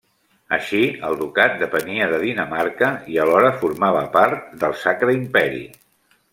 Així, el ducat depenia de Dinamarca i alhora formava part del Sacre Imperi.